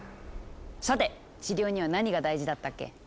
さて治療には何が大事だったっけ？